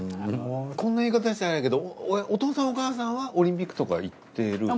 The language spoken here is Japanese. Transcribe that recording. こんな言い方したらあれやけどお父さんお母さんはオリンピックとかいってるの？